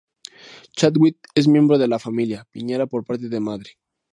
Chadwick es miembro de la Familia Piñera por parte de madre.